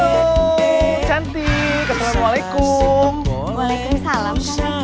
halo cantik assalamualaikum waalaikumsalam